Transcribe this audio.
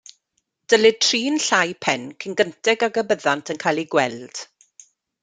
Dylid trin llau pen cyn gynted ag y byddant yn cael eu gweld.